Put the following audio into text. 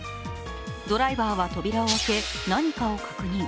ドライバーは扉を開け、何かを確認